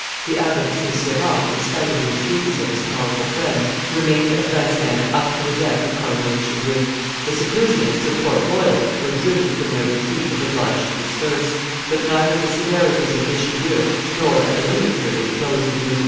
The Abbot of St. Cyran, in spite of the entreaties of his powerful friends, remained at Vincennes up to the death of Cardinal Richelieu; the seclusionists of Port Royal were driven from their retreat and obliged to disperse; but neither the severities of Richelieu, nor, at a later period, those of Louis XIV.